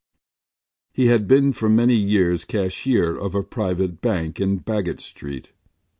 He had been for many years cashier of a private bank in Baggot Street.